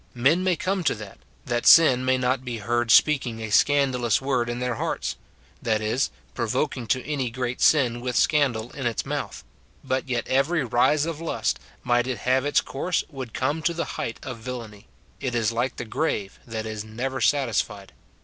Men may come to that, that sin may not be heard speak ing a scandalous word in their hearts, — that is, pro voking to any great sin with scandal in its mouth ; but yet every rise of lust, might it have its course, would come to the height of villany : it is like the grave, that is never satisfied.